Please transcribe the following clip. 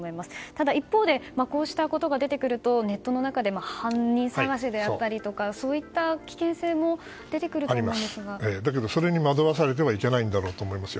ただ、一方でこうしたことが出てくるとネットの中でも犯人捜しであったりとかそういった危険性もそれに惑わされてはいけないと思います。